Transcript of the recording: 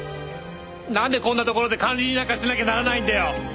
なんでこんなところで管理人なんかしなきゃならないんだよ！